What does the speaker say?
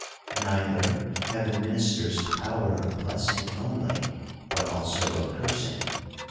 — Neither have the ministers power of blessing only, but also of cursing.